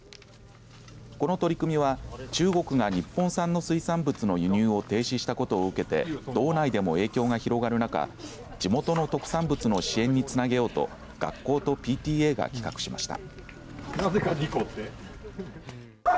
この取り組みは中国が日本産の水産物の輸入を停止したことを受けて道内でも影響が広がる中地元の特産物の支援につなげようと学校とＰＴＡが企画しました。